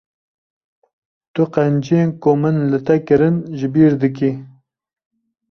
Tu qenciyên ku min li te kirin ji bir dikî.